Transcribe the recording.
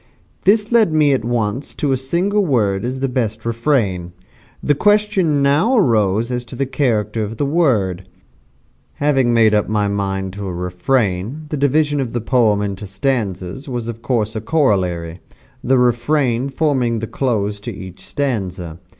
This led me at once to a single word as the best refrain. The question now arose as to the character of the word. Having made up my mind to a refrain, the division of the poem into stanzas was of course a corollary, the refrain forming the close to each stanza.